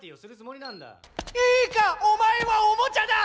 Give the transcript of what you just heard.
いいかお前はおもちゃだ。